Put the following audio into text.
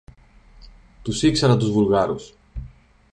Τους ήξερα τους Βουλγάρους!